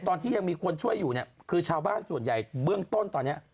ตอนที่ยังมีคนช่วยอยู่เนี่ยคือชาวบ้านส่วนใหญ่เบื้องต้นตอนนี้